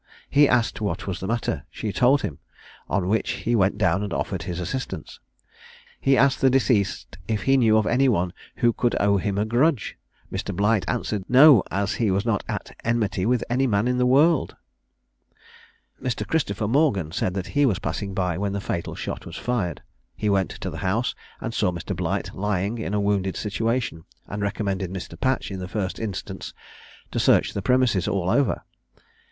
He asked what was the matter; she told him; on which he went down and offered his assistance. He asked the deceased if he knew of any one who could owe him a grudge? Mr. Blight answered, "No, as he was not at enmity with any man in the world." Mr. Christopher Morgan said that he was passing by when the fatal shot was fired; he went to the house, and saw Mr. Blight lying in a wounded situation, and recommended Mr. Patch, in the first instance, to search the premises all over.